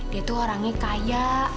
dia tuh orangnya kaya